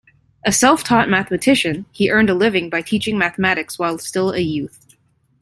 A self-taught mathematician, he earned a living by teaching mathematics while still a youth.